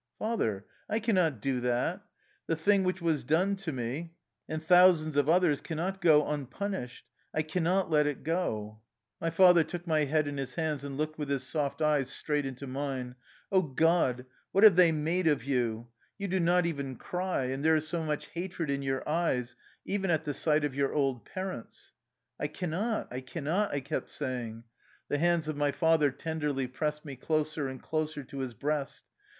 '^" Father, I can not do that. The thing which was done to me and thousands of others can not go unpunished. I can not let it go." 122 THE LIFE STOEY OF A RUSSIAN EXILE My father took my bead in bis hands and looked with his soft eyes straight into mine. " O, God! what have they made of you? You do not even cry, and there is so much hatred in your eyes, even at the sight of your old par ents." "I can not, I can not," I kept saying. The hands of my father tenderly pressed me closer and closer to his breast.